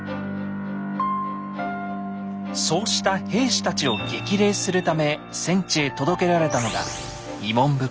そうした兵士たちを激励するため戦地へ届けられたのが「慰問袋」。